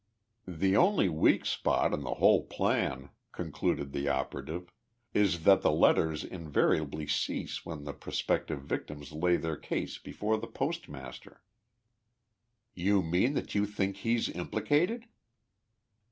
"The only weak spot in the whole plan," concluded the operative, "is that the letters invariably cease when the prospective victims lay their case before the postmaster." "You mean that you think he's implicated?"